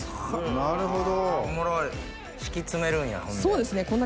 なるほど！